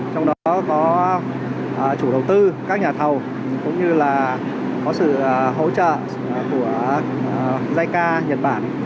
trong đó có chủ đầu tư các nhà thầu cũng như là có sự hỗ trợ của jica nhật bản